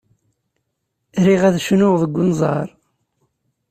Riɣ ad cnuɣ deg unẓar.